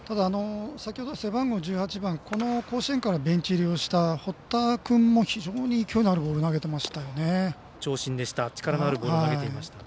先ほど、背番号１８番甲子園からベンチ入りした堀田君も非常に勢いのあるボールを投げていましたよね。